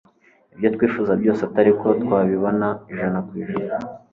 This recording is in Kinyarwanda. ibyo twifuza byose atariko twabibona ijana kwijana